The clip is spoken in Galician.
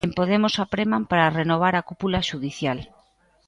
En Podemos apreman para renovar a cúpula xudicial.